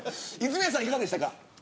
泉谷さん、いかがでしたか。